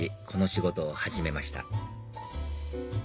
この仕事を始めました